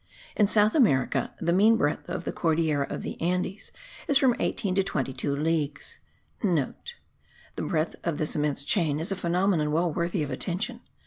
In South America the mean breadth of the Cordillera of the Andes is from 18 to 22 leagues.* (* The breadth of this immense chain is a phenomenon well worthy of attention.